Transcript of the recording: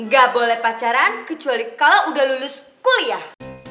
gak boleh pacaran kecuali kalau udah lulus kuliah